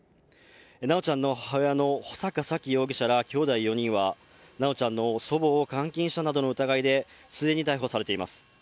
修ちゃんの母親の穂坂沙喜母親、容疑者ら４人は修ちゃんの祖母を監禁したなどの疑いで既に逮捕されています。